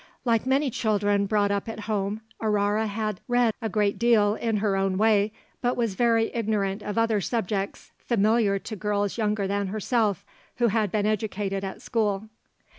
Like many children brought up at home, Aurore had read a great deal in her own way, but was very ignorant of other subjects familiar to girls younger than herself, who had been educated at school.